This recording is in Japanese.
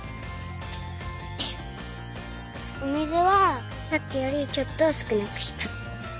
お水はさっきよりちょっとすくなくした。